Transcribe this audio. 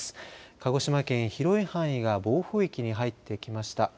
鹿児島県、広い範囲が暴風域に入ってきました。